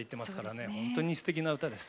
本当にすてきな歌です。